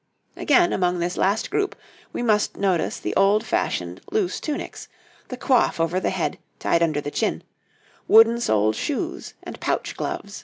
Again, among this last group, we must notice the old fashioned loose tunics, the coif over the head, tied under the chin, wooden soled shoes and pouch gloves.